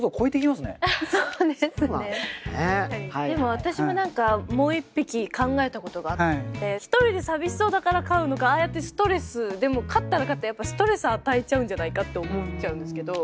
私ももう一匹考えたことがあって一人で寂しそうだから飼うのかああやってストレスでも飼ったら飼ったでやっぱストレス与えちゃうんじゃないかって思っちゃうんですけど。